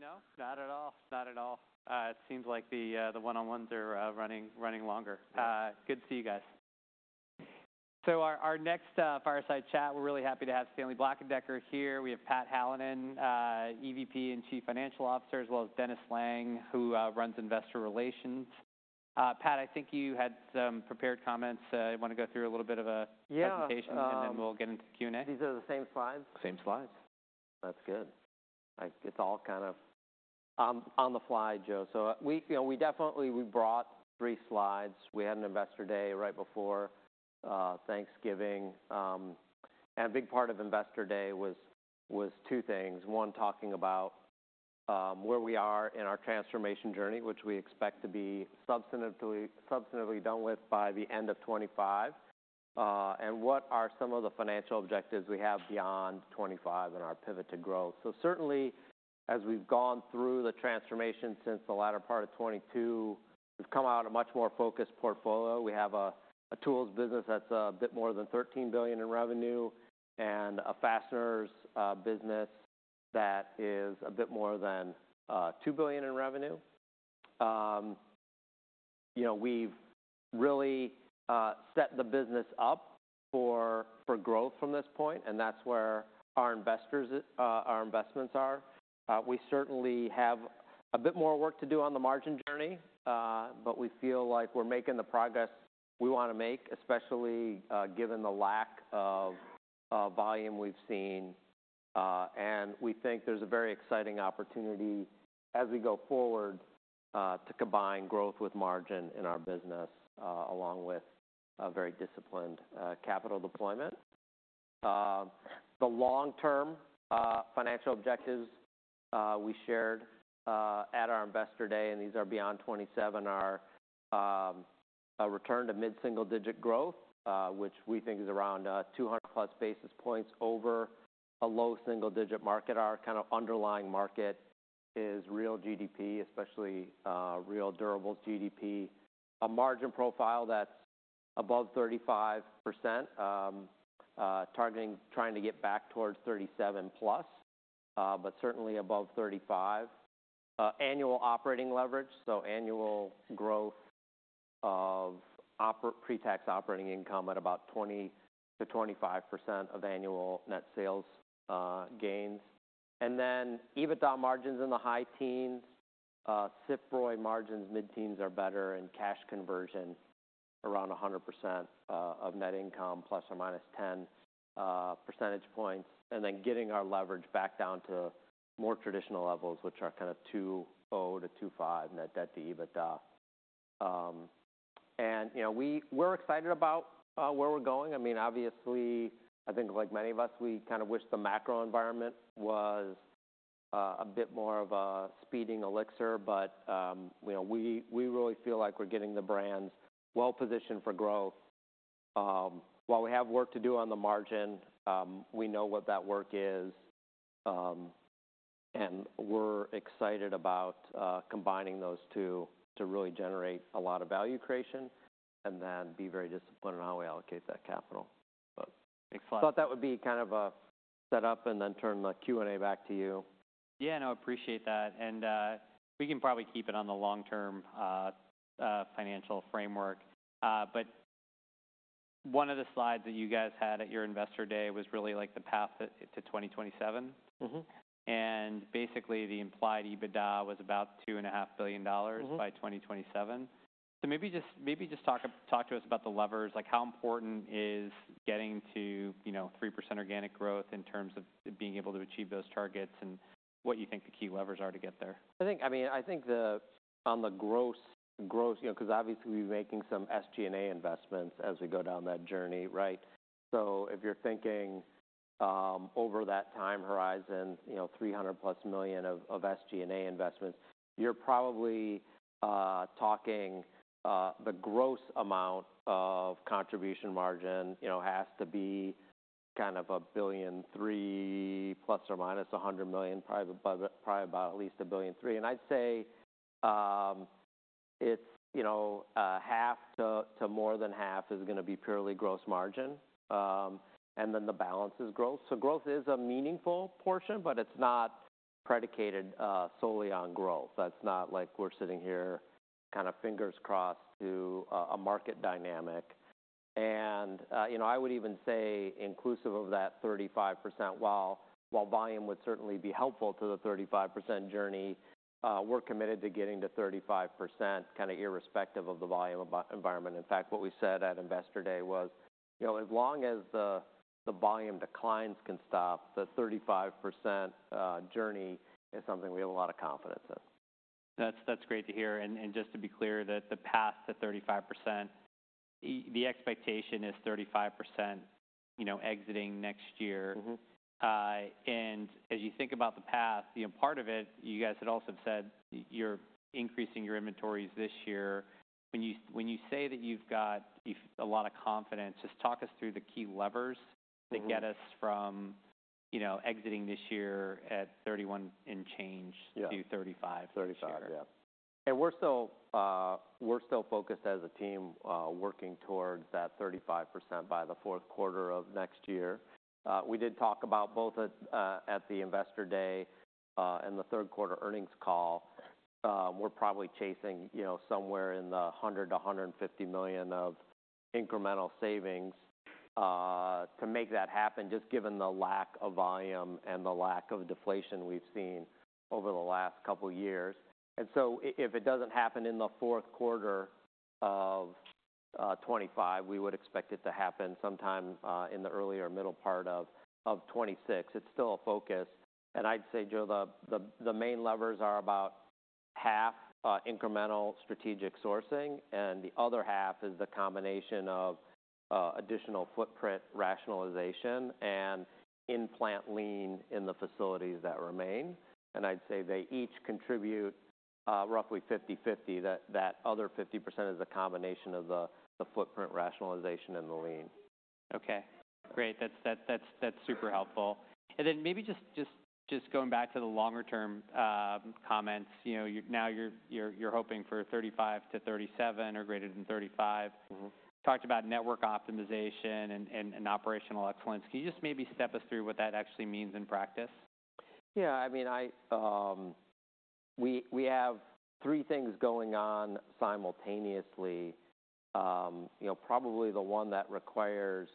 No. Not at all. Not at all. It seems like the one-on-ones are running longer. Good to see you guys. So our next fireside chat, we're really happy to have Stanley Black & Decker here. We have Pat Hallinan, EVP and Chief Financial Officer, as well as Dennis Lange, who runs investor relations. Pat, I think you had some prepared comments. You wanna go through a little bit of a presentation? Yeah. And then we'll get into Q&A? These are the same slides? Same slides. That's good. Like, it's all kind of on the fly, Joe. So, we, you know, we definitely brought three slides. We had an Investor Day right before Thanksgiving, and a big part of Investor Day was two things. One, talking about where we are in our transformation journey, which we expect to be substantively done with by the end of 2025, and what are some of the financial objectives we have beyond 2025 and our pivot to growth. So certainly, as we've gone through the transformation since the latter part of 2022, we've come out a much more focused portfolio. We have a tools business that's a bit more than $13 billion in revenue and a fasteners business that is a bit more than $2 billion in revenue. You know, we've really set the business up for growth from this point, and that's where our investors, i.e., our investments are. We certainly have a bit more work to do on the margin journey, but we feel like we're making the progress we wanna make, especially given the lack of volume we've seen. We think there's a very exciting opportunity as we go forward to combine growth with margin in our business, along with a very disciplined capital deployment. The long-term financial objectives we shared at our Investor Day, and these are beyond 2027, are a return to mid-single-digit growth, which we think is around 200-plus basis points over a low single-digit market. Our kind of underlying market is real GDP, especially real durables GDP, a margin profile that's above 35%, targeting to get back towards 37-plus, but certainly above 35. annual operating leverage, so annual growth of our pre-tax operating income at about 20%-25% of annual net sales gains, and then EBITDA margins in the high teens, CFROI margins mid-teens are better, and cash conversion around 100% of net income, plus or minus 10 percentage points, and then getting our leverage back down to more traditional levels, which are kind of 2.0-2.5 net debt to EBITDA, and, you know, we're excited about where we're going. I mean, obviously, I think, like many of us, we kind of wish the macro environment was a bit more of a speeding elixir, but, you know, we really feel like we're getting the brands well-positioned for growth. While we have work to do on the margin, we know what that work is, and we're excited about combining those two to really generate a lot of value creation and then be very disciplined in how we allocate that capital. But. Excellent. I thought that would be kind of a setup and then turn the Q&A back to you. Yeah. No, I appreciate that. And, we can probably keep it on the long-term, financial framework. But one of the slides that you guys had at your Investor Day was really, like, the path to 2027. Mm-hmm. Basically, the implied EBITDA was about $2.5 billion by 2027. Maybe just talk to us about the levers. Like, how important is getting to, you know, 3% organic growth in terms of being able to achieve those targets and what you think the key levers are to get there? I think, I mean, I think on the gross, you know, 'cause obviously we're making some SG&A investments as we go down that journey, right? So if you're thinking, over that time horizon, you know, $300-plus million of SG&A investments, you're probably talking the gross amount of contribution margin, you know, has to be kind of $1.3 billion, plus or minus $100 million, probably about at least $1.3 billion. And I'd say, it's, you know, half to more than half is gonna be purely gross margin. And then the balance is growth. So growth is a meaningful portion, but it's not predicated solely on growth. That's not like we're sitting here kind of fingers crossed to a market dynamic. You know, I would even say inclusive of that 35%, while volume would certainly be helpful to the 35% journey, we're committed to getting to 35% kind of irrespective of the volume of environment. In fact, what we said at Investor Day was, you know, as long as the volume declines can stop, the 35% journey is something we have a lot of confidence in. That's great to hear. And just to be clear, the path to 35%, the expectation is 35%, you know, exiting next year. Mm-hmm. And as you think about the path, you know, part of it, you guys had also said you're increasing your inventories this year. When you say that you've got a lot of confidence, just talk us through the key levers to get us from, you know, exiting this year at 31 and change to 35. Yeah. 35%, yeah. We're still focused as a team, working towards that 35% by the fourth quarter of next year. We did talk about both at the Investor Day, and the third quarter earnings call. We're probably chasing, you know, somewhere in the $100 million-$150 million of incremental savings, to make that happen just given the lack of volume and the lack of deflation we've seen over the last couple of years. So if it doesn't happen in the fourth quarter of 2025, we would expect it to happen sometime in the early or middle part of 2026. It's still a focus. I'd say, Joe, the main levers are about half incremental strategic sourcing, and the other half is the combination of additional footprint rationalization and in-plant Lean in the facilities that remain. I'd say they each contribute, roughly 50/50. That other 50% is a combination of the footprint rationalization and the Lean. Okay. Great. That's super helpful. And then maybe just going back to the longer-term comments, you know, you're now hoping for 35-37 or greater than 35. Mm-hmm. Talked about network optimization and operational excellence. Can you just maybe step us through what that actually means in practice? Yeah. I mean, we have three things going on simultaneously. You know, probably the one that requires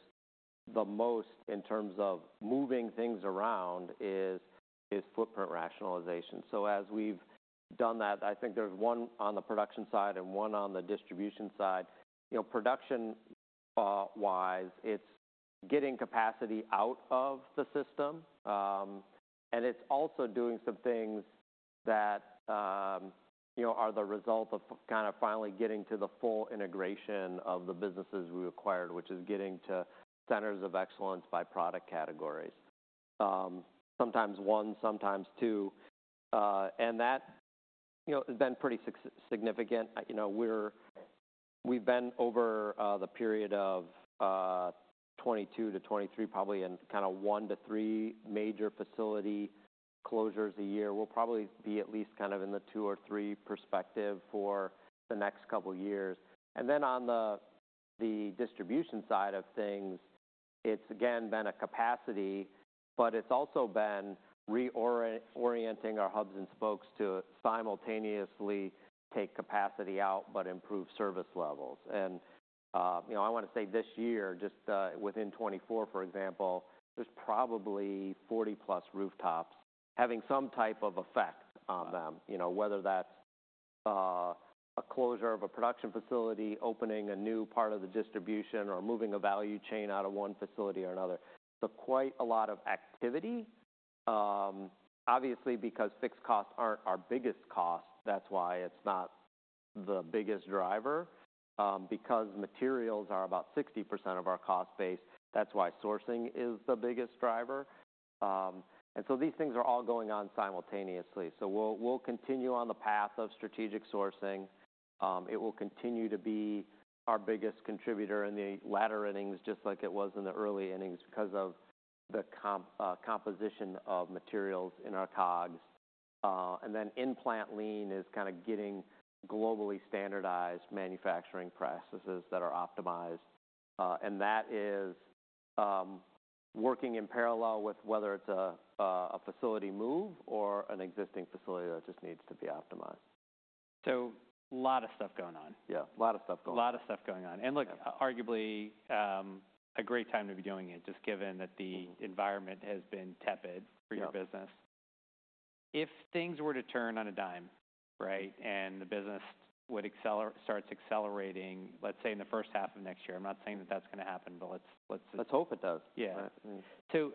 the most in terms of moving things around is footprint rationalization. So as we've done that, I think there's one on the production side and one on the distribution side. You know, production-wise, it's getting capacity out of the system. And it's also doing some things that, you know, are the result of kind of finally getting to the full integration of the businesses we acquired, which is getting to centers of excellence by product categories. Sometimes one, sometimes two. And that, you know, has been pretty significant. You know, we've been over the period of 2022-2023, probably in kind of one to three major facility closures a year. We'll probably be at least kind of in the two or three percentile for the next couple of years. Then on the distribution side of things, it's again been about capacity, but it's also been reorienting our hubs and spokes to simultaneously take capacity out but improve service levels. You know, I wanna say this year, just within 2024, for example, there's probably 40-plus rooftops having some type of effect on them. Mm-hmm. You know, whether that's a closure of a production facility, opening a new part of the distribution, or moving a value chain out of one facility or another, so quite a lot of activity. Obviously, because fixed costs aren't our biggest cost, that's why it's not the biggest driver, because materials are about 60% of our cost base, that's why sourcing is the biggest driver, and so these things are all going on simultaneously, so we'll, we'll continue on the path of strategic sourcing. It will continue to be our biggest contributor in the latter innings, just like it was in the early innings because of the composition of materials in our COGS, and then in-plant Lean is kind of getting globally standardized manufacturing processes that are optimized. and that is, working in parallel with whether it's a facility move or an existing facility that just needs to be optimized. So a lot of stuff going on. Yeah. A lot of stuff going on. A lot of stuff going on, and look, arguably, a great time to be doing it just given that the environment has been tepid for your business. Yeah. If things were to turn on a dime, right, and the business would start accelerating, let's say, in the first half of next year, I'm not saying that that's gonna happen, but let's. Let's hope it does. Yeah. Right. So,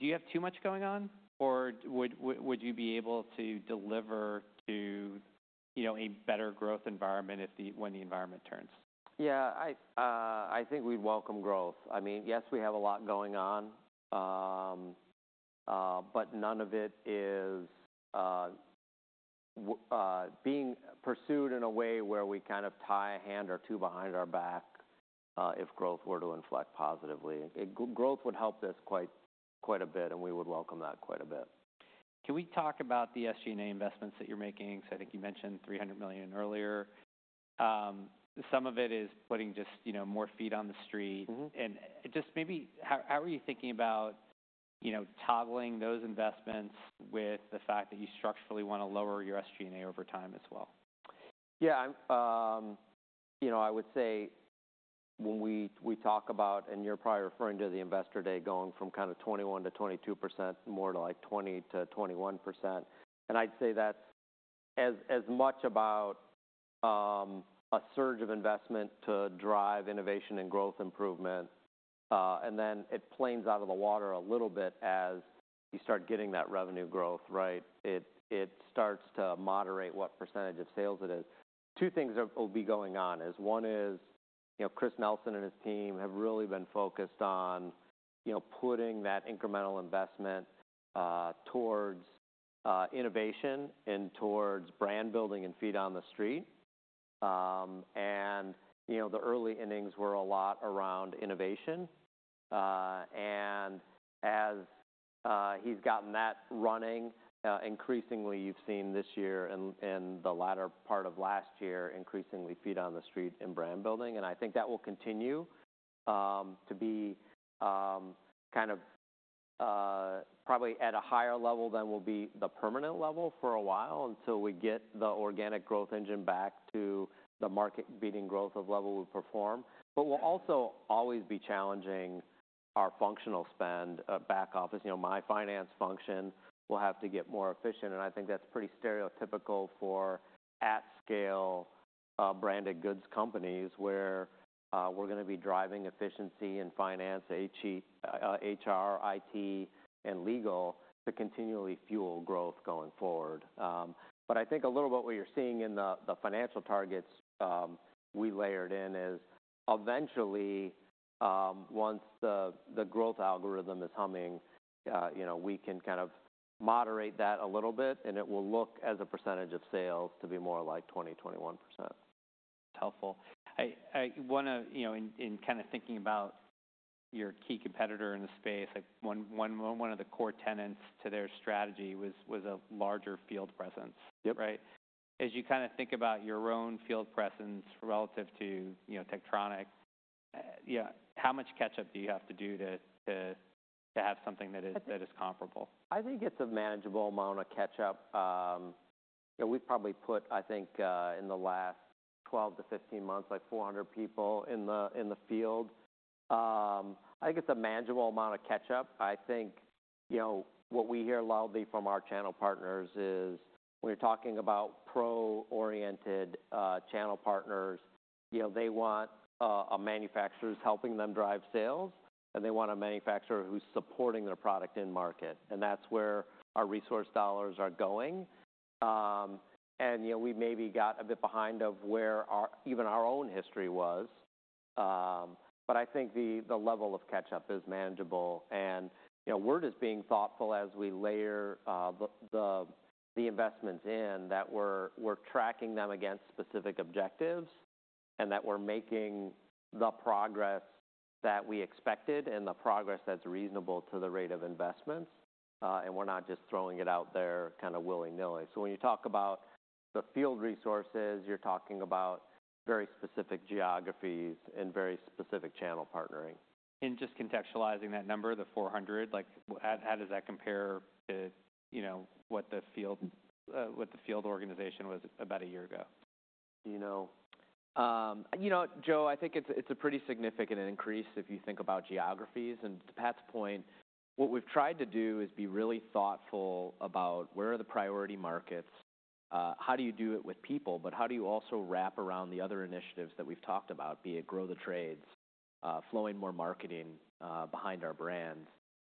do you have too much going on, or would you be able to deliver to, you know, a better growth environment if when the environment turns? Yeah. I think we'd welcome growth. I mean, yes, we have a lot going on. But none of it is we being pursued in a way where we kind of tie a hand or two behind our back, if growth were to inflect positively. That growth would help us quite, quite a bit, and we would welcome that quite a bit. Can we talk about the SG&A investments that you're making? So I think you mentioned $300 million earlier. Some of it is putting just, you know, more feet on the street. Mm-hmm. And just maybe how, how are you thinking about, you know, toggling those investments with the fact that you structurally wanna lower your SG&A over time as well? Yeah. I'm, you know, I would say when we talk about, and you're probably referring to the Investor Day, going from kind of 21%-22% more to, like, 20%-21%. And I'd say that's as much about a surge of investment to drive innovation and growth improvement, and then it flattens out a little bit as you start getting that revenue growth, right? It starts to moderate what percentage of sales it is. Two things will be going on. One is, you know, Chris Nelson and his team have really been focused on, you know, putting that incremental investment towards innovation and towards brand building and feet on the street, and, you know, the early innings were a lot around innovation. And as he's gotten that running, increasingly, you've seen this year and in the latter part of last year, increasingly feet on the street and brand building. And I think that will continue to be kind of probably at a higher level than will be the permanent level for a while until we get the organic growth engine back to the market-beating growth of level we perform. But we'll also always be challenging our functional spend, back office. You know, my finance function will have to get more efficient. And I think that's pretty stereotypical for at-scale, branded goods companies where we're gonna be driving efficiency in finance, HR, IT, and legal to continually fuel growth going forward. But I think a little bit what you're seeing in the financial targets, we layered in is eventually, once the growth algorithm is humming, you know, we can kind of moderate that a little bit, and it will look as a percentage of sales to be more like 20%-21%. That's helpful. I wanna, you know, in kind of thinking about your key competitor in the space, like, one of the core tenets to their strategy was a larger field presence. Yep. Right? As you kind of think about your own field presence relative to, you know, Techtronic, you know, how much catch-up do you have to do to have something that is comparable? I think it's a manageable amount of catch-up, you know. We've probably put, I think, in the last 12-15 months, like 400 people in the field. I think it's a manageable amount of catch-up. I think, you know, what we hear loudly from our channel partners is when you're talking about pro-oriented channel partners, you know, they want a manufacturer who's helping them drive sales, and they want a manufacturer who's supporting their product in market, and that's where our resource dollars are going, and, you know, we maybe got a bit behind of where our own history was, but I think the level of catch-up is manageable. And, you know, we're just being thoughtful as we layer the investments in that we're tracking them against specific objectives and that we're making the progress that we expected and the progress that's reasonable to the rate of investments. And we're not just throwing it out there kind of willy-nilly. So when you talk about the field resources, you're talking about very specific geographies and very specific channel partnering. Just contextualizing that number, the 400, like, how does that compare to, you know, what the field organization was about a year ago? You know, Joe, I think it's a pretty significant increase if you think about geographies, and to Pat's point, what we've tried to do is be really thoughtful about where are the priority markets, how do you do it with people, but how do you also wrap around the other initiatives that we've talked about, be it Grow the Trades, flowing more marketing behind our brands,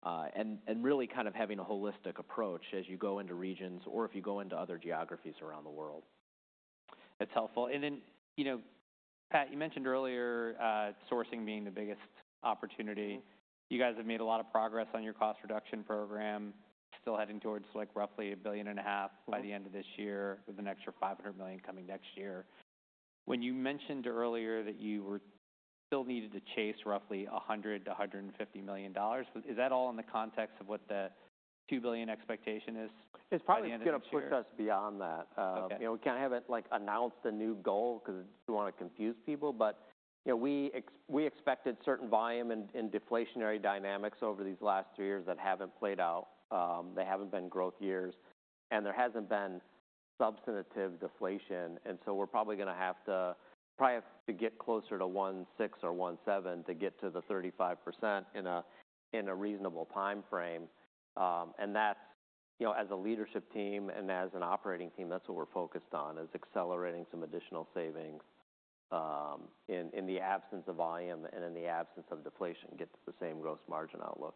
and really kind of having a holistic approach as you go into regions or if you go into other geographies around the world. That's helpful, and then, you know, Pat, you mentioned earlier, sourcing being the biggest opportunity. Mm-hmm. You guys have made a lot of progress on your cost reduction program, still heading towards, like, roughly $1.5 billion by the end of this year with an extra $500 million coming next year. When you mentioned earlier that you were still needed to chase roughly $100-$150 million, is that all in the context of what the $2 billion expectation is? It's probably gonna push us beyond that. Okay. You know, we can't have it, like, announced a new goal 'cause we wanna confuse people, but you know, we expected certain volume and deflationary dynamics over these last three years that haven't played out. They haven't been growth years, and there hasn't been substantive deflation, and so we're probably gonna have to get closer to 1.6 or 1.7 to get to the 35% in a reasonable timeframe, and that's, you know, as a leadership team and as an operating team, that's what we're focused on is accelerating some additional savings, in the absence of volume and in the absence of deflation get to the same gross margin outlook.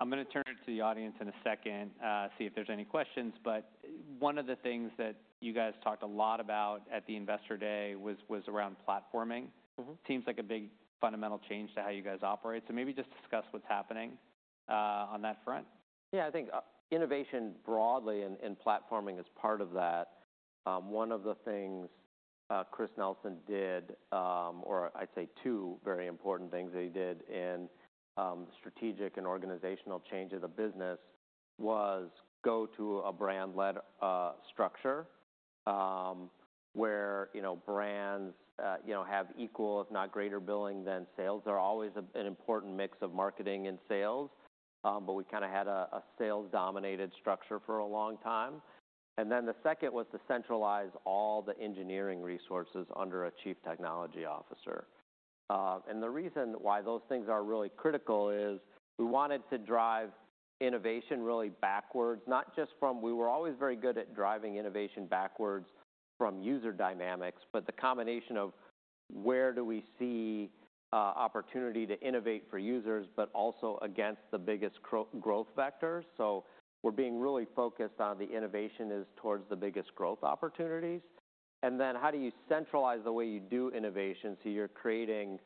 I'm gonna turn it to the audience in a second, see if there's any questions. But one of the things that you guys talked a lot about at the Investor Day was around platforming. Mm-hmm. Seems like a big fundamental change to how you guys operate. So maybe just discuss what's happening, on that front. Yeah. I think innovation broadly and platforming is part of that. One of the things Chris Nelson did, or I'd say two very important things that he did in strategic and organizational change of the business was go to a brand-led structure, where you know brands you know have equal, if not greater billing than sales. There are always an important mix of marketing and sales, but we kind of had a sales-dominated structure for a long time, and then the second was to centralize all the engineering resources under a Chief Technology Officer, and the reason why those things are really critical is we wanted to drive innovation really backwards, not just from we were always very good at driving innovation backwards from user dynamics, but the combination of where do we see opportunity to innovate for users, but also against the biggest growth vectors. So we're being really focused on the innovation is towards the biggest growth opportunities. And then how do you centralize the way you do innovation? So you're creating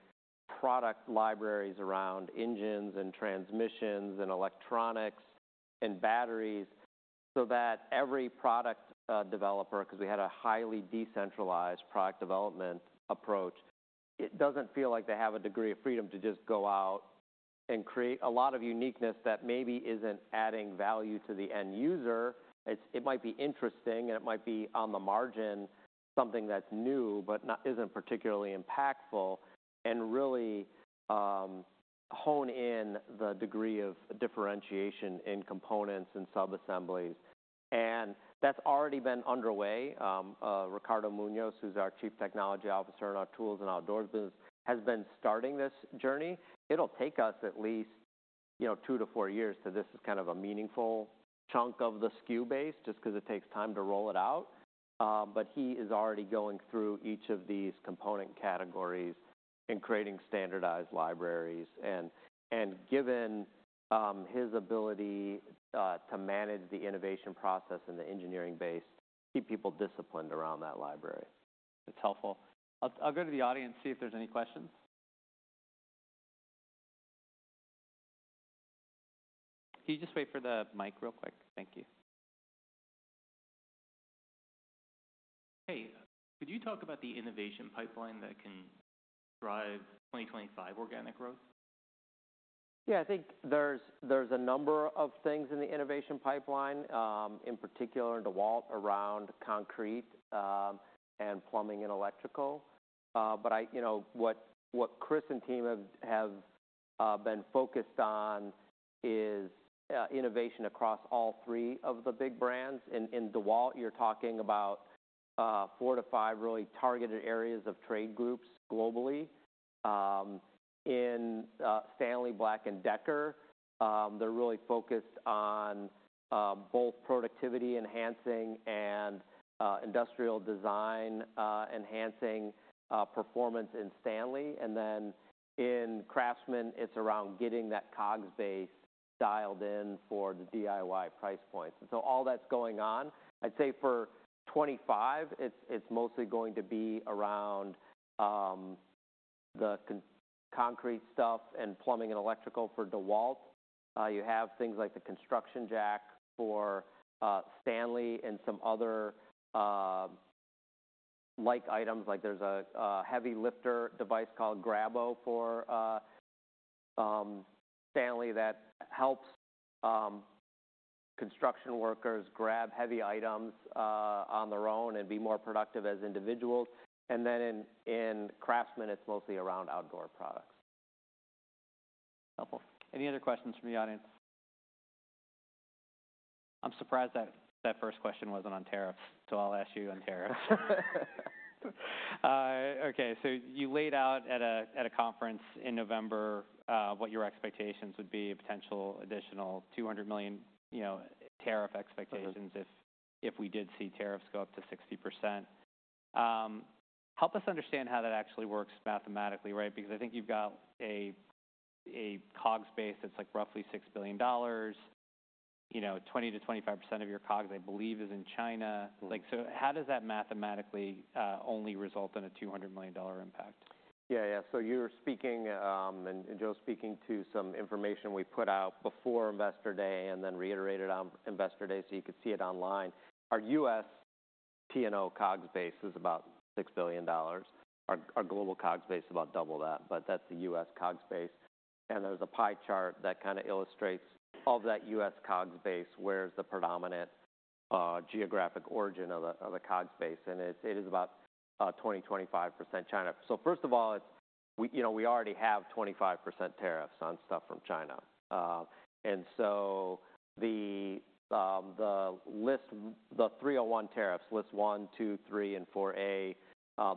product libraries around engines and transmissions and electronics and batteries so that every product developer, 'cause we had a highly decentralized product development approach, it doesn't feel like they have a degree of freedom to just go out and create a lot of uniqueness that maybe isn't adding value to the end user. It might be interesting, and it might be on the margin, something that's new but isn't particularly impactful and really hone in the degree of differentiation in components and subassemblies. And that's already been underway. Ricardo Muñoz, who's our Chief Technology Officer in our Tools & Outdoor business, has been starting this journey. It'll take us at least, you know, two to four years 'cause this is kind of a meaningful chunk of the SKU base just 'cause it takes time to roll it out. But he is already going through each of these component categories and creating standardized libraries. And given his ability to manage the innovation process and the engineering base, keep people disciplined around that library. That's helpful. I'll go to the audience, see if there's any questions. Can you just wait for the mic real quick? Thank you. Hey, could you talk about the innovation pipeline that can drive 2025 organic growth? Yeah. I think there's a number of things in the innovation pipeline, in particular DeWalt around concrete, and plumbing and electrical. But I, you know, what Chris and team have been focused on is innovation across all three of the big brands. In DeWalt, you're talking about four to five really targeted areas of trade groups globally. In Stanley Black & Decker, they're really focused on both productivity enhancing and industrial design enhancing performance in Stanley. And then in Craftsman, it's around getting that COGS base dialed in for the DIY price points. And so all that's going on. I'd say for 2025, it's mostly going to be around the concrete stuff and plumbing and electrical for DeWalt. You have things like the construction jack for Stanley and some other like items. Like, there's a heavy lifter device called Grabo for Stanley that helps construction workers grab heavy items on their own and be more productive as individuals. And then in Craftsman, it's mostly around outdoor products. Helpful. Any other questions from the audience? I'm surprised that that first question wasn't on tariffs, so I'll ask you on tariffs. Okay. So you laid out at a conference in November, what your expectations would be, a potential additional $200 million, you know, tariff expectations. Mm-hmm. If we did see tariffs go up to 60%, help us understand how that actually works mathematically, right? Because I think you've got a COGS base that's like roughly $6 billion. You know, 20%-25% of your COGS, I believe, is in China. Like, so how does that mathematically only result in a $200 million impact? Yeah. Yeah. So you're speaking, and Joe's speaking to some information we put out before Investor Day and then reiterated on Investor Day so you could see it online. Our US T&O COGS base is about $6 billion. Our global COGS base is about double that, but that's the US COGS base. And there's a pie chart that kind of illustrates that US COGS base, where's the predominant geographic origin of the COGS base. And it's about 20%-25% China. So first of all, it's we, you know, we already have 25% tariffs on stuff from China. And so the list, the 301 tariffs, List 1, 2, 3, and 4A,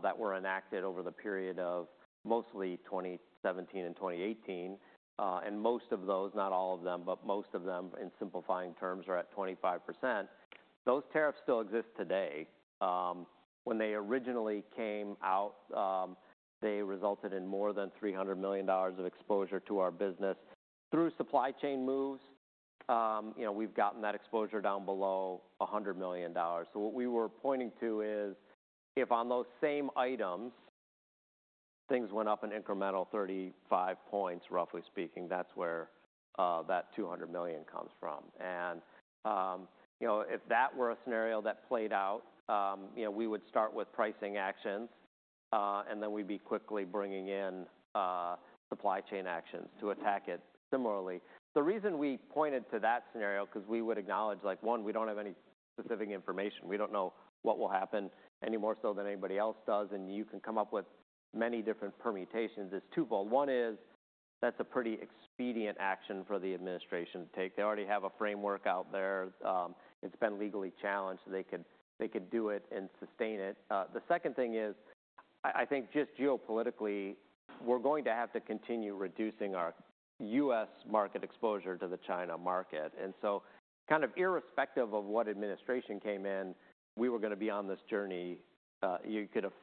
that were enacted over the period of mostly 2017 and 2018, and most of those, not all of them, but most of them in simplifying terms are at 25%. Those tariffs still exist today. When they originally came out, they resulted in more than $300 million of exposure to our business through supply chain moves. You know, we've gotten that exposure down below $100 million. So what we were pointing to is if on those same items, things went up an incremental 35 points, roughly speaking, that's where that $200 million comes from, and you know, if that were a scenario that played out, you know, we would start with pricing actions, and then we'd be quickly bringing in supply chain actions to attack it similarly. The reason we pointed to that scenario, 'cause we would acknowledge, like, one, we don't have any specific information. We don't know what will happen any more so than anybody else does, and you can come up with many different permutations. It's twofold. One is that's a pretty expedient action for the administration to take. They already have a framework out there. It's been legally challenged. They could do it and sustain it. The second thing is, I think just geopolitically, we're going to have to continue reducing our US market exposure to the China market. And so kind of irrespective of what administration came in, we were gonna be on this journey. You could have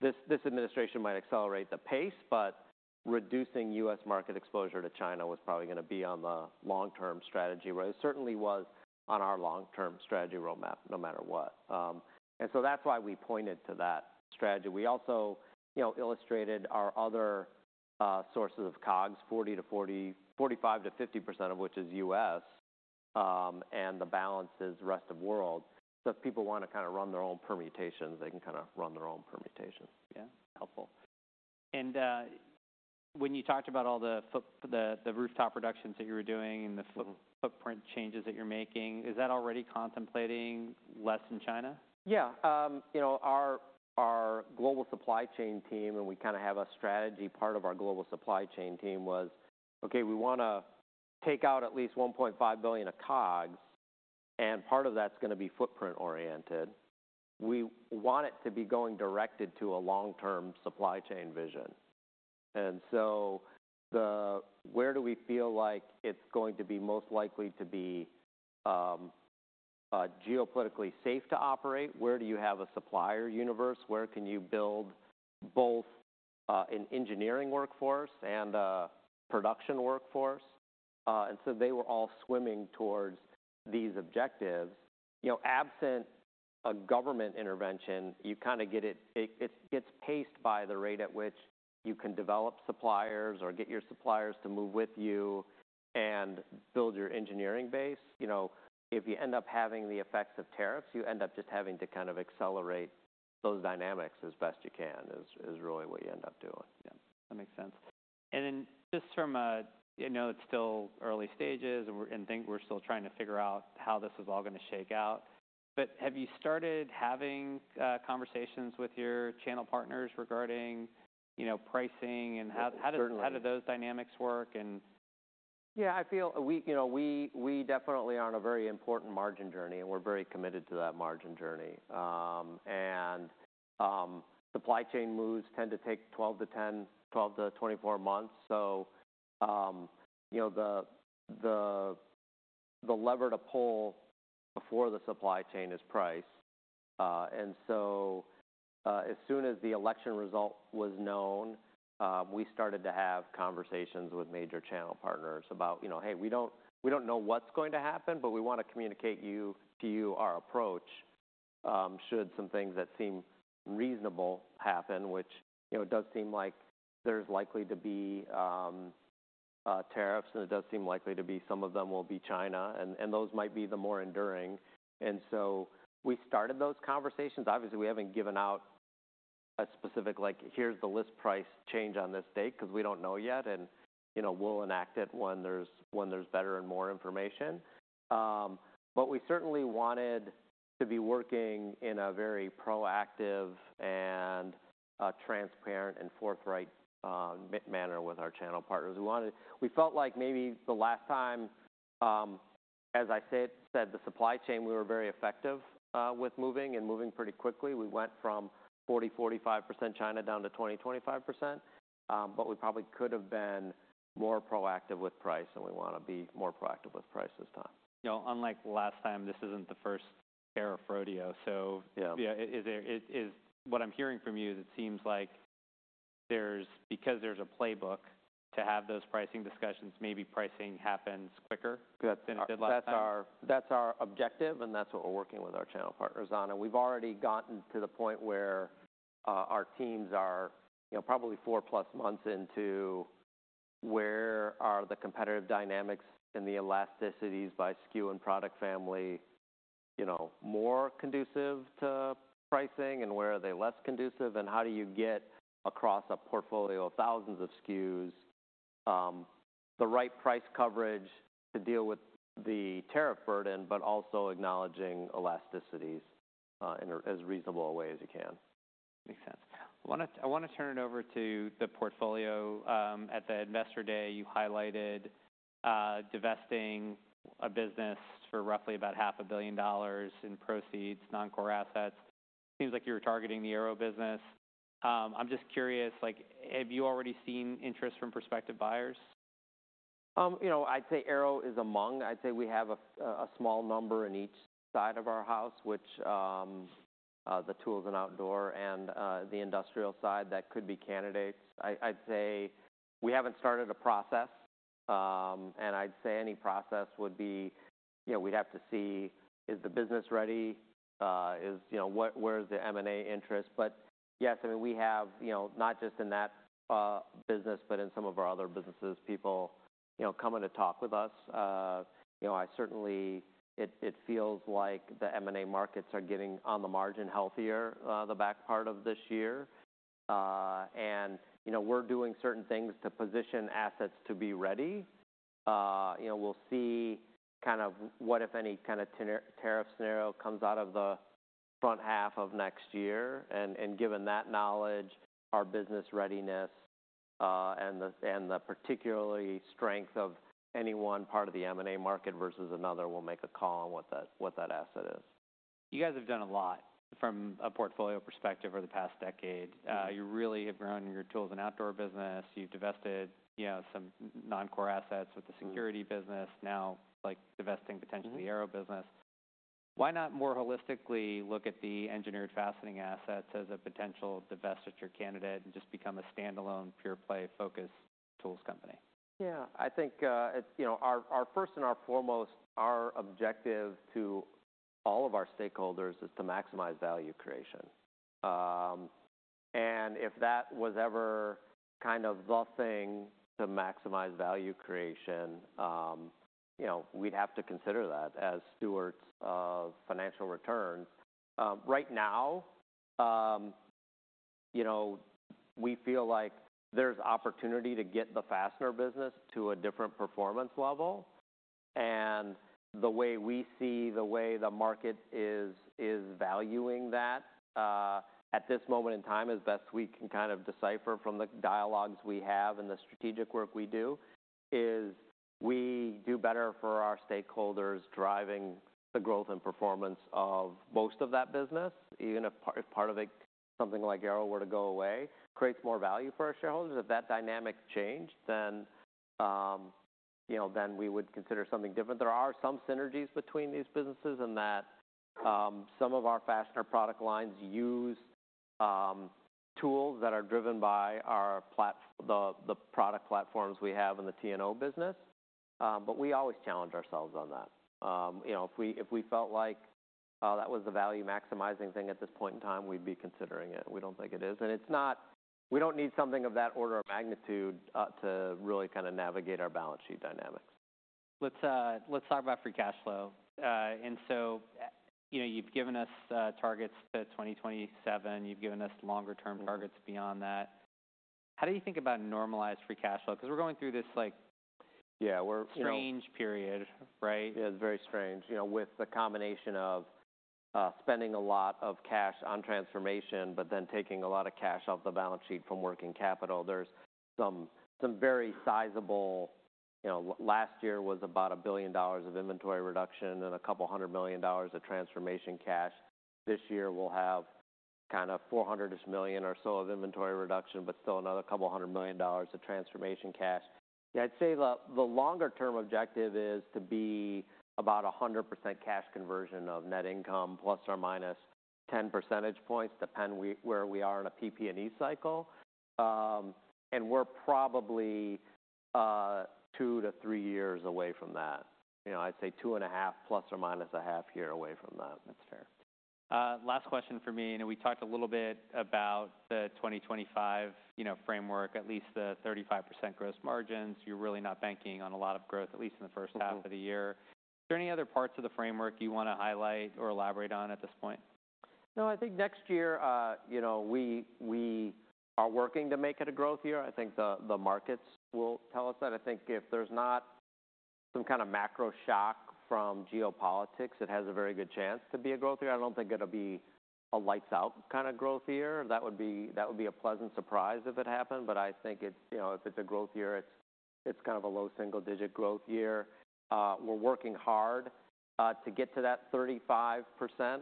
this administration might accelerate the pace, but reducing US market exposure to China was probably gonna be on the long-term strategy road. It certainly was on our long-term strategy roadmap no matter what. And so that's why we pointed to that strategy. We also, you know, illustrated our other sources of COGS, 40 to 45%-50% of which is US, and the balance is rest of world. If people wanna kind of run their own permutations, they can. Yeah. Helpful. When you talked about all the footprint, the rooftop reductions that you were doing and the footprint changes that you're making, is that already contemplating less in China? Yeah. You know, our global supply chain team, and we kind of have a strategy part of our global supply chain team was, okay, we wanna take out at least $1.5 billion of COGS, and part of that's gonna be footprint oriented. We want it to be going directed to a long-term supply chain vision. And so, where do we feel like it's going to be most likely to be, geopolitically safe to operate? Where do you have a supplier universe? Where can you build both, an engineering workforce and a production workforce? And so they were all swimming towards these objectives. You know, absent a government intervention, you kind of get it, it gets paced by the rate at which you can develop suppliers or get your suppliers to move with you and build your engineering base. You know, if you end up having the effects of tariffs, you end up just having to kind of accelerate those dynamics as best you can is really what you end up doing. Yeah. That makes sense and then just from a. I know it's still early stages and I think we're still trying to figure out how this is all gonna shake out. But have you started having conversations with your channel partners regarding you know pricing and how do those dynamics work? And. Yeah. I feel we, you know, we definitely are on a very important margin journey, and we're very committed to that margin journey. Supply chain moves tend to take 10 to 12, 12 to 24 months. So, you know, the lever to pull before the supply chain is priced. As soon as the election result was known, we started to have conversations with major channel partners about, you know, hey, we don't know what's going to happen, but we wanna communicate to you our approach, should some things that seem reasonable happen, which, you know, it does seem like there's likely to be tariffs, and it does seem likely to be some of them will be China, and those might be the more enduring. So we started those conversations. Obviously, we haven't given out a specific, like, here's the list price change on this date 'cause we don't know yet. And, you know, we'll enact it when there's better and more information. But we certainly wanted to be working in a very proactive and, transparent and forthright, manner with our channel partners. We wanted, we felt like maybe the last time, as I said, the supply chain, we were very effective, with moving pretty quickly. We went from 40%-45% China down to 20%-25%. But we probably could have been more proactive with price, and we wanna be more proactive with price this time. You know, unlike last time, this isn't the first tariff rodeo. So. Yeah. You know, what I'm hearing from you is it seems like there's a playbook to have those pricing discussions, maybe pricing happens quicker. That's our objective, and that's what we're working with our channel partners on. And we've already gotten to the point where our teams are, you know, probably four plus months into where the competitive dynamics and the elasticities by SKU and product family, you know, are more conducive to pricing, and where they are less conducive. And how do you get across a portfolio of thousands of SKUs the right price coverage to deal with the tariff burden, but also acknowledging elasticities, in as reasonable a way as you can? Makes sense. I wanna, I wanna turn it over to the portfolio. At the Investor Day, you highlighted divesting a business for roughly about $500 million in proceeds, non-core assets. Seems like you were targeting the Aero business. I'm just curious, like, have you already seen interest from prospective buyers? You know, I'd say Aero is among. I'd say we have a small number in each side of our house, which the tools and outdoor and the industrial side that could be candidates. I'd say we haven't started a process. I'd say any process would be, you know, we'd have to see is the business ready? Is, you know, what, where's the M&A interest? But yes, I mean, we have, you know, not just in that business, but in some of our other businesses, people, you know, coming to talk with us. You know, I certainly it feels like the M&A markets are getting on the margin healthier, the back part of this year. You know, we're doing certain things to position assets to be ready. You know, we'll see kind of what, if any, kind of tariff scenario comes out of the front half of next year. And given that knowledge, our business readiness, and the particular strength of any one part of the M&A market versus another will make a call on what that asset is. You guys have done a lot from a portfolio perspective over the past decade. You really have grown your Tools & Outdoor business. You've divested, you know, some non-core assets with the security business. Now, like divesting potentially the Aero business. Why not more holistically look at the Engineered Fastening assets as a potential divestiture candidate and just become a standalone pure play focus tools company? Yeah. I think, you know, our first and foremost objective to all of our stakeholders is to maximize value creation. And if that was ever kind of the thing to maximize value creation, you know, we'd have to consider that as stewards of financial returns. Right now, you know, we feel like there's opportunity to get the fastener business to a different performance level. And the way we see the way the market is, is valuing that, at this moment in time, as best we can kind of decipher from the dialogues we have and the strategic work we do, is we do better for our stakeholders driving the growth and performance of most of that business. Even if part of it, something like Aero were to go away, creates more value for our shareholders. If that dynamic changed, then, you know, then we would consider something different. There are some synergies between these businesses and that, some of our fastener product lines use tools that are driven by our platform, the product platforms we have in the T&O business. But we always challenge ourselves on that. You know, if we felt like that was the value maximizing thing at this point in time, we'd be considering it. We don't think it is. And it's not, we don't need something of that order of magnitude to really kind of navigate our balance sheet dynamics. Let's talk about free cash flow. So, you know, you've given us targets to 2027. You've given us longer-term targets beyond that. How do you think about normalized free cash flow? 'Cause we're going through this, like. Yeah. We're. Strange period, right? Yeah. It's very strange. You know, with the combination of spending a lot of cash on transformation, but then taking a lot of cash off the balance sheet from working capital, there's some very sizable, you know, last year was about $1 billion of inventory reduction and $200 million of transformation cash. This year we'll have kind of $400-ish million or so of inventory reduction, but still another $200 million of transformation cash. Yeah. I'd say the longer-term objective is to be about 100% cash conversion of net income plus or minus 10 percentage points depending where we are in a PP&E cycle, and we're probably two to three years away from that. You know, I'd say two and a half plus or minus a half year away from that. That's fair. Last question for me. You know, we talked a little bit about the 2025, you know, framework, at least the 35% gross margins. You're really not banking on a lot of growth, at least in the first half of the year. Is there any other parts of the framework you wanna highlight or elaborate on at this point? No. I think next year, you know, we are working to make it a growth year. I think the markets will tell us that. I think if there's not some kind of macro shock from geopolitics, it has a very good chance to be a growth year. I don't think it'll be a lights out kind of growth year. That would be a pleasant surprise if it happened. But I think it, you know, if it's a growth year, it's kind of a low single-digit growth year. We're working hard to get to that 35%.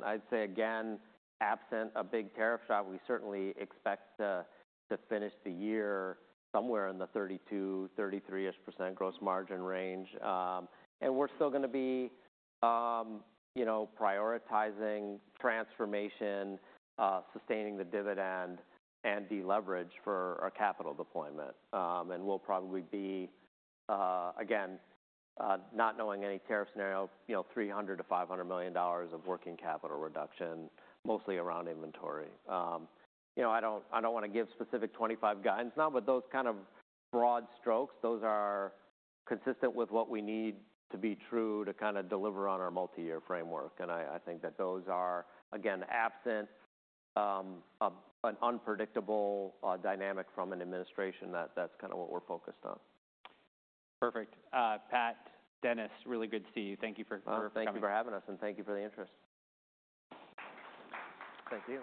I'd say again, absent a big tariff shot, we certainly expect to finish the year somewhere in the 32%-33%-ish% gross margin range, and we're still gonna be, you know, prioritizing transformation, sustaining the dividend and deleverage for our capital deployment. And we'll probably be, again, not knowing any tariff scenario, you know, $300 million-$500 million of working capital reduction, mostly around inventory. You know, I don't, I don't wanna give specific 2025 guidance, not with those kind of broad strokes. Those are consistent with what we need to be true to kind of deliver on our multi-year framework. And I, I think that those are again, absent an unpredictable dynamic from an administration that's kind of what we're focused on. Perfect. Pat, Dennis, really good to see you. Thank you for. Thank you for having us, and thank you for the interest. Thank you.